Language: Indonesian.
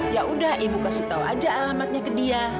yaudah ibu kasih tau aja alamatnya ke dia